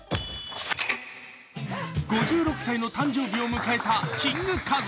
５６歳の誕生日を迎えたキングカズ。